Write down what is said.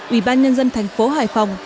ubnd thành phố hải phòng